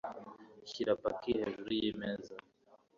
Shyira paki hejuru yimeza.